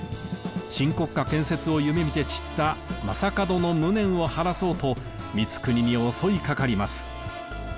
新国家建設を夢みて散った将門の無念を晴らそうと光國に襲いかかります。